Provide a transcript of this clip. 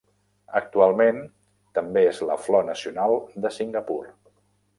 Actualment també és la flor nacional de Singapur.